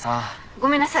ごめんなさい。